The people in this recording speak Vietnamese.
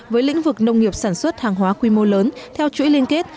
với lĩnh vực nông nghiệp sản xuất hàng hóa quy mô lớn theo chuỗi liên kết